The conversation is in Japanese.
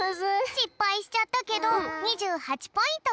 しっぱいしちゃったけど２８ポイント